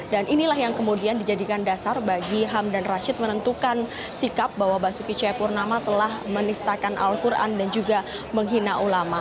dan inilah yang kemudian dijadikan dasar bagi hamdan rashid menentukan sikap bahwa basuki cepurnama telah menistakan al quran dan juga menghina ulama